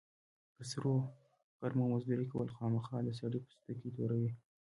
په سرو غرمو مزدوري کول، خوامخا د سړي پوستکی توروي.